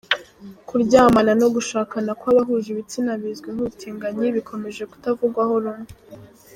Kuryamana no gushakana kw’ abahuje ibitsina bizwi nk’ ubutinganyi bikomeje kutavugwaho rumwe.